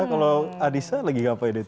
kalau adisa lagi ngapain itu